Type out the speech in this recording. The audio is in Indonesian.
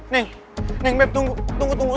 neng neng beb tunggu tunggu